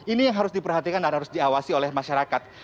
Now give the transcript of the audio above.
ini yang harus diperhatikan dan harus diawasi oleh masyarakat